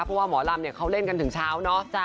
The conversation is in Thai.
เพราะว่าหมอลำเนี่ยเขาเล่นกันถึงเช้าเนอะ